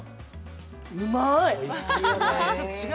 うまーい！